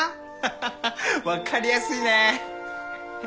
ハハハ分かりやすいね